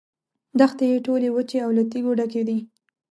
دښتې یې ټولې وچې او له تیږو ډکې دي.